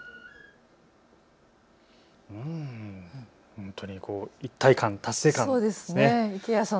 本当に一体感、達成感ですね。